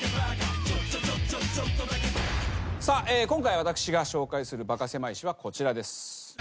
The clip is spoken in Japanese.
さあ今回私が紹介するバカせまい史はこちらです。